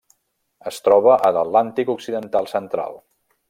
Es troba a l'Atlàntic occidental central.